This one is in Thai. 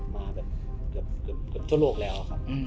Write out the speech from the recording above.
มาชอบทั่วโลกแล้ว